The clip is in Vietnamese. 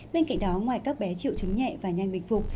bên cạnh đó ngoài các bé triệu chứng nhẹ và nhanh bình phục